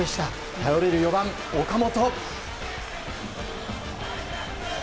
頼れる４番、岡本。